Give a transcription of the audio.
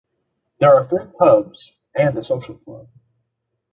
There are three pubs and a Social Club.